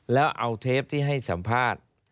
แล้วเอาเทปที่ให้สัมภาษณ์